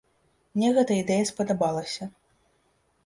Мне гэта ідэя спадабалася.